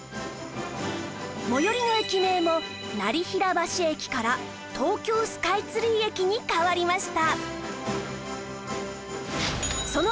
最寄りの駅名も業平橋駅からとうきょうスカイツリー駅に変わりました